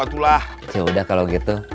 ya udah kalau gitu